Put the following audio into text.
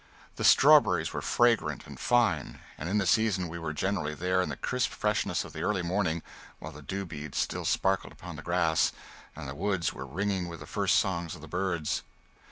The strawberries were fragrant and fine, and in the season we were generally there in the crisp freshness of the early morning, while the dew beads still sparkled upon the grass and the woods were ringing with the first songs of the birds.